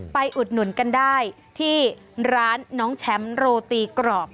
อุดหนุนกันได้ที่ร้านน้องแชมป์โรตีกรอบ